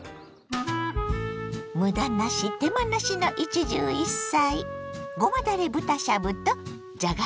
むだなし手間なしの一汁一菜。